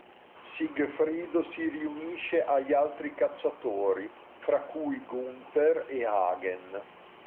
Sigfrido si riunisce agli altri cacciatori, fra cui Gunther e Hagen.